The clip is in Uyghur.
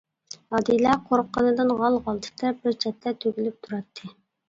ئادىلە قورققىنىدىن غال-غال تىترەپ، بىر چەتتە تۈگۈلۈپ تۇراتتى.